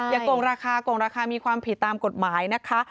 โกงราคาโกงราคามีความผิดตามกฎหมายนะคะ